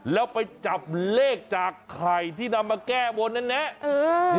แล้วไปจับเลขจากไข่ที่นำมาแก้บนแน่